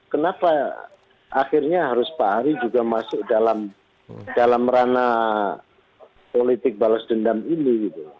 kenapa akhirnya harus pak ari juga masuk dalam ranah politik balas dendam ini